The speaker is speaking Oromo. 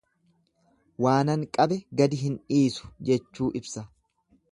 Waanan qabe gadi hin dhiisu jechuu ibsa.